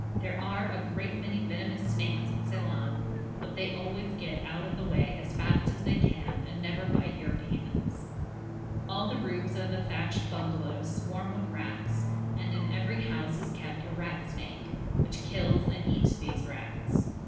There are a great many venomous snakes in Ceylon, but they always get out of the way as fast as they can, and never bite Europeans. All the roofs of the thatched bungalows swarm with rats, and in every house is kept a rat snake, which kills and eats these rats.